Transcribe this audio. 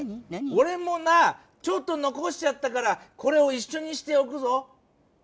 おれもなちょっとのこしちゃったからこれをいっしょにしておくぞ。